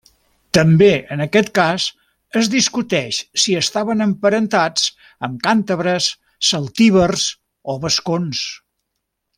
També en aquest cas es discuteix si estaven emparentats amb càntabres, celtibers o vascons.